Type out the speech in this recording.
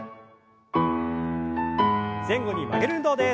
前後に曲げる運動です。